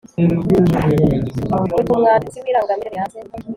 Mu gihe umwanditsi w irangamimerere yanze